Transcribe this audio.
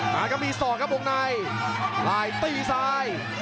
แล้วก็มีสวนครับตรงในตีซ้าย